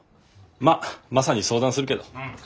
まっマサに相談するけど。